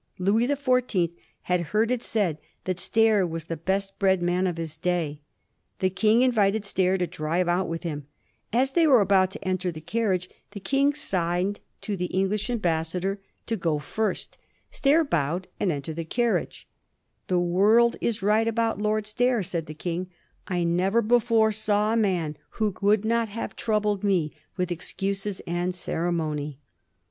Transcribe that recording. Louis the Four teenth had heard it said that Stair was the best bred man of his day. The King invited Stair to drive out with him. As they were about to enter the carriage the king signed to the English ambassador to go Digiti zed by Google 298 A HISTORY OF THE FOUR GEORGES. ch. xnr. first. Stair bowed and entered the carriage. ^ The world is right about Lord Stair,' said the King ;* I never before saw a man who would not have troubled me with excuses and ceremony.'